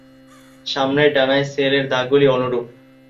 সামনের ডানায় সেল-এর দাগগুলি অনুরূপ।